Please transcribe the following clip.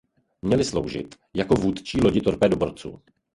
Měly sloužit jako vůdčí lodi torpédoborců.